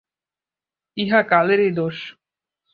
ইহা কালেরই দোষ।